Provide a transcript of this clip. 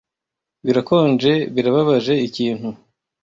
birakonje birababaje ikintu